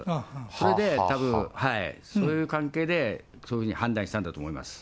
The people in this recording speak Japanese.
それでたぶん、そういう関係でそういうふうに判断したんだと思います。